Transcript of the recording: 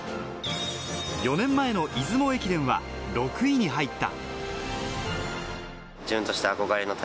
４年前の出雲駅伝は６位に入った。